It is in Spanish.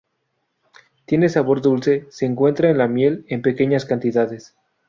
Tiene sabor dulce, se encuentra en la miel en pequeñas cantidades.